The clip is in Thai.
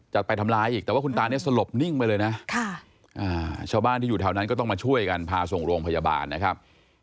จะไปทำร้ายอีกแต่ว่าคุณตาเนี่ยสลบนิ่งไปเลยนะชาวบ้านที่อยู่แถวนั้นก็ต้องมาช่วยกันพาส่งโรงพยาบาลนะครับ